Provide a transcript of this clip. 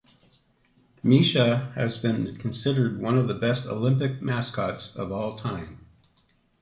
Misha has been considered one of the best Olympic mascots of all time.